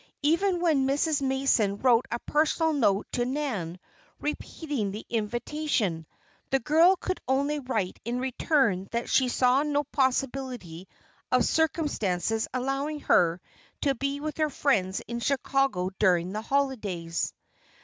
Even when Mrs. Mason wrote a personal note to Nan, repeating the invitation, the girl could only write in return that she saw no possibility of circumstances allowing her to be with her friends in Chicago during the holidays.